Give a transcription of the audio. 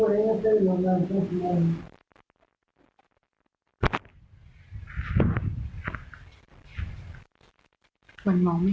มันมองไม่เห็นนะครับ